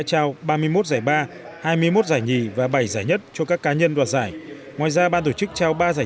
trao ba mươi một giải ba hai mươi một giải nhì và bảy giải nhất cho các cá nhân đoạt giải ngoài ra ban tổ chức trao ba giải